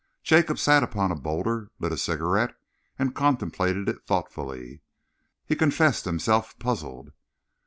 Jacob sat upon a boulder, lit a cigarette and contemplated it thoughtfully. He confessed himself puzzled.